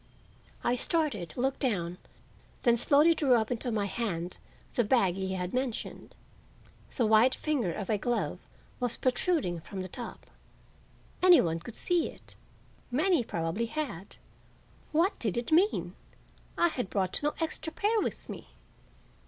I started, looked down, and then slowly drew up into my hand the bag he had mentioned. The white finger of a glove was protruding from the top. Any one could see it; many probably had. What did it mean? I had brought no extra pair with me.